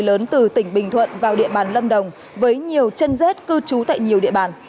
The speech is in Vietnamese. lớn từ tỉnh bình thuận vào địa bàn lâm đồng với nhiều chân rết cư trú tại nhiều địa bàn